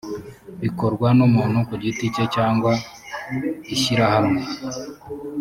bikorwa n umuntu ku giti cye cyangwa ishyirahamwe